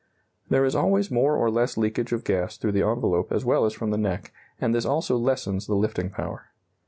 There is always more or less leakage of gas through the envelope as well as from the neck, and this also lessens the lifting power.